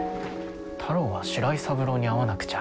太郎は白井三郎に会わなくちゃ。